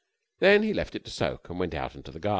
Then he left it to soak and went out into the garden.